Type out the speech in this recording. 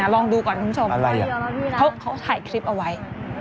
ลองดูก่อนคุณผู้ชมเขาถ่ายคลิปเอาไว้